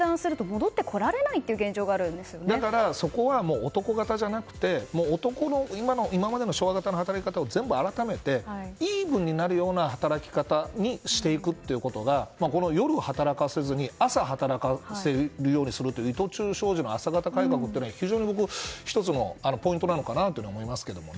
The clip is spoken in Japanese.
そこは男型じゃなくて男の今までの昭和型の働き方を全部改めてイーブンになるという働き方が夜働かさずに朝、働かせるようにするという伊藤忠商事の朝型改革というのは非常に１つのポイントなのかなと思いますけどね。